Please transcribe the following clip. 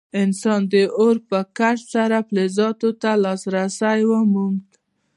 انسان د اور په کشف سره فلزاتو ته لاسرسی وموند.